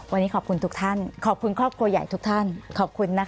วันนี้ขอบคุณทุกท่านขอบคุณครอบครัวใหญ่ทุกท่านขอบคุณนะคะ